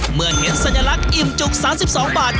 เมื่อเห็นสัญลักษณ์อิ่มจุก๓๒บาท